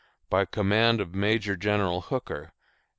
By command of MAJOR GENERAL HOOKER.